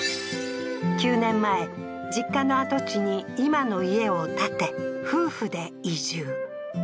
９年前、実家の跡地に今の家を建て、夫婦で移住。